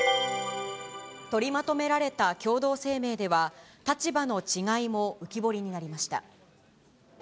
取りまとめられた共同声明では、立場の違いも浮き彫りになりました。